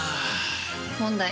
問題。